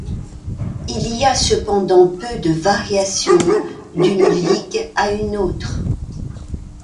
Il y a cependant peu de variations d'une ligue à une autre.